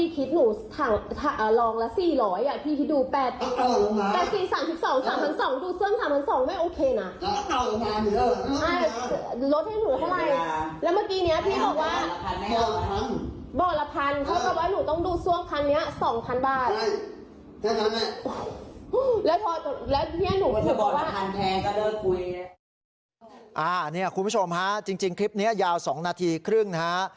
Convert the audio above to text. คุณผู้ชมฮะจริงคลิปนี้ยาว๒นาทีครึ่งนะฮะ